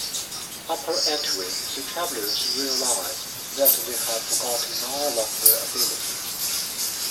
Upon entering, the travelers realize that they have forgotten all of their abilities.